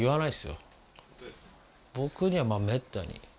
僕にはめったに。